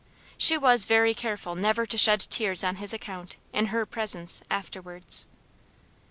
She was very careful never to shed tears on his account, in her presence, afterwards.